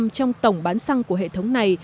trong tổng bán xăng của hệ thống này